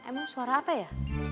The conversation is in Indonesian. emang suara apa ya